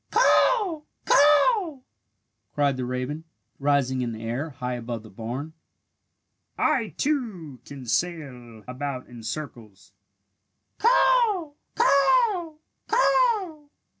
"Caw! Caw!" cried the raven, rising in the air, high above the barn. "I, too, can sail about in circles! Caw! Caw! Caw!"